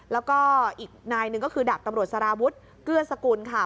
แล้วก็อีกนายหนึ่งก็คือดาบตำรวจสารวุฒิเกื้อสกุลค่ะ